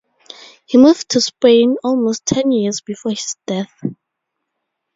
He moved to Spain almost ten years before his death.